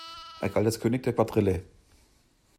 Er galt als „König der Quadrille“.